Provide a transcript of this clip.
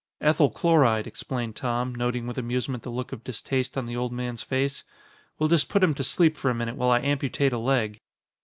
"Ethyl chloride," explained Tom, noting with amusement the look of distaste on the old man's face. "We'll just put him to sleep for a minute while I amputate a leg."